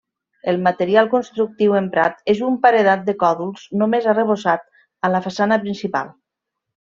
El material constructiu emprat és un paredat de còdols, només arrebossat a la façana principal.